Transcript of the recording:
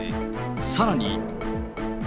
さらに。